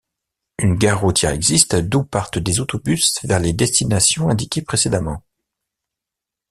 Une gare routière existe, d'où partent des autobus vers les destinations indiquées précédemment.